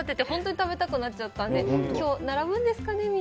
本当に食べたくなっちゃったので、今日、並ぶんですかね？